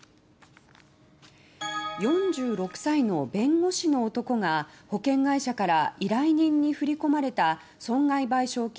４６歳の弁護士の男が保険会社から依頼人に振り込まれた損害賠償金